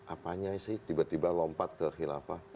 apanya sih tiba tiba lompat ke khilafah